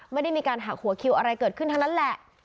ไม่ได้มีการหักหัวคิวอะไรเกิดขึ้นทั้งนั้นแหละ